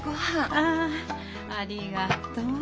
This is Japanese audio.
あありがとう。